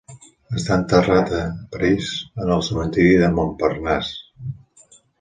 Està enterrada a París en el cementiri de Montparnasse.